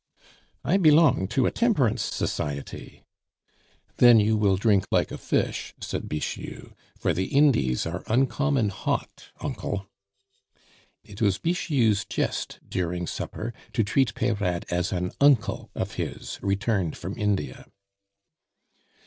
"I belong to a Temperance Society!" "Then you will drink like a fish!" said Bixiou, "for the Indies are uncommon hot, uncle!" It was Bixiou's jest during supper to treat Peyrade as an uncle of his, returned from India.